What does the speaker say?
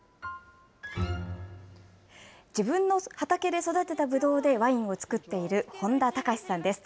自分の畑で育てたブドウでワインを造っている本多孝さんです。